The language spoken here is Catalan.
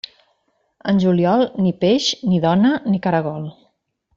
En juliol, ni peix, ni dona, ni caragol.